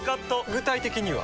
具体的には？